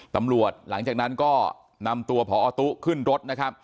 ตำรวจหลังจากนั้นก็นำตัวพอตู้ขึ้นรถ